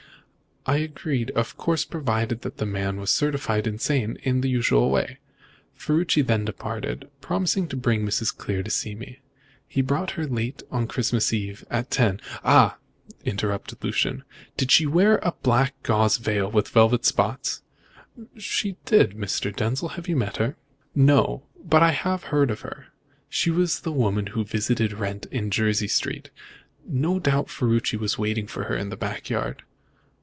"I agreed, of course, provided the man was certified insane in the usual way. Ferruci then departed, promising to bring Mrs. Clear to see me. He brought her late on Christmas Eve, at ten " "Ah!" interrupted Lucian, "did she wear a black gauze veil with velvet spots?" "She did, Mr. Denzil. Have you met her?" "No, but I have heard of her. She was the woman who visited Wrent in Jersey Street. No doubt Ferruci was waiting for her in the back yard."